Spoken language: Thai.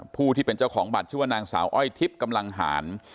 ผู้ที่เป็นเจ้าของบัตรชื่อว่านางสาวอ้อยทิพย์กำลังหาร